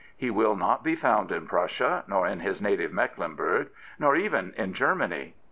He will not be found in Prussia, nor in his native Mecklenburg, nor even in Germany.